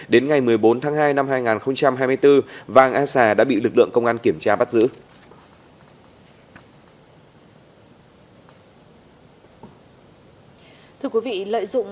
đến ngày một mươi bốn tháng hai năm hai nghìn hai mươi bốn vàng a sà đã bị lực lượng công an kiểm tra bắt giữ